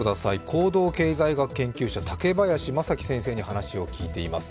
行動経済学研究者、竹林正樹先生に話を聞いています。